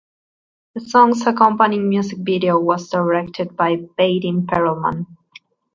The song's accompanying music video was directed by Vadim Perelman.